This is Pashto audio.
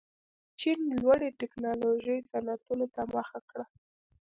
چین لوړې تکنالوژۍ صنعتونو ته مخه کړه.